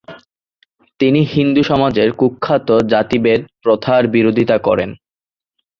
তিনি হিন্দু সমাজের কুখ্যাত জাতিভেদ প্রথার বিরোধিতা করেন।